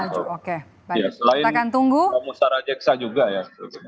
selain musara jeksa juga ya